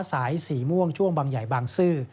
สายสีม่วงช่วงบางใหญ่บางซื่อ